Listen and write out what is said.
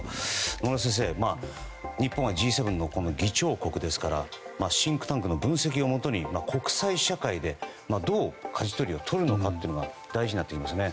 野村先生、日本はＧ７の議長国ですからシンクタンクの分析をもとに国際社会でどう、かじ取りをとるかが大事な点ですね。